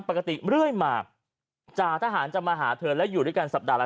ปกติเรื่อยมากจ่าทหารจะมาหาเธอและอยู่ด้วยกันสัปดาห์ละ